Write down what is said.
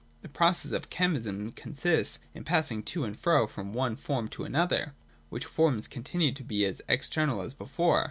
The process of chemism consists in passing to and fro from one form to another; which forms continue to be as external as before.